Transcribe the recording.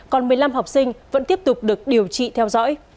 còn một mươi năm học sinh vẫn tiếp tục được điều trị theo dõi